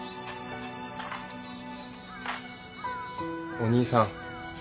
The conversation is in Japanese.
お義兄さん。